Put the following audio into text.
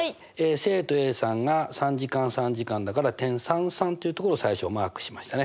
生徒ａさんが３時間３時間だから点３３というところを最初マークしましたね